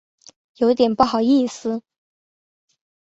有点不好意思